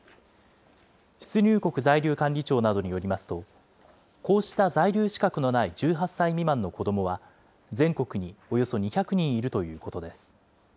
出入国在留管理庁などによりますと、こうした在留資格のない１８歳未満の子どもは、全国におよそ２００人いるということです。